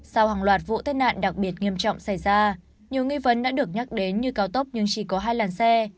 sau hàng loạt vụ tai nạn đặc biệt nghiêm trọng xảy ra nhiều nghi vấn đã được nhắc đến như cao tốc nhưng chỉ có hai làn xe